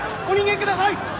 お逃げください！